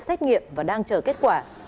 xét nghiệm và đang chờ kết quả